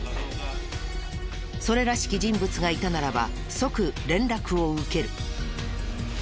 それらしき人物がいたならば即連絡を受ける。